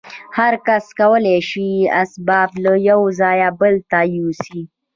هر کس کولای شي اسباب له یوه ځای بل ته یوسي